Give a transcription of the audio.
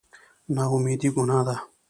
نااميدي ګناه ده